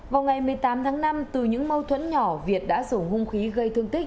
vào ngày một mươi tám tháng năm từ những mâu thuẫn nhỏ việt đã dùng hung khí gây thương tích